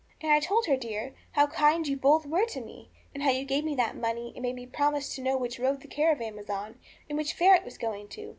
And I told her, dear, how kind you both were to me, and how you gave me that money, and made me promise to know which road the caravan was on, and which fair it was going to.